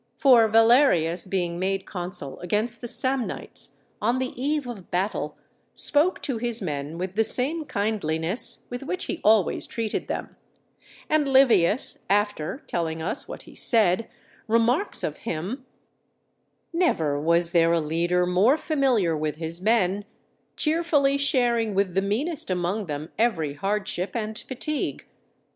For Valerius being made consul against the Samnites, on the eve of battle spoke to his men with the same kindliness with which he always treated them; and Livius, after telling us what he said, remarks of him: "_Never was there a leader more familiar with his men; cheerfully sharing with the meanest among them every hardship and fatigue.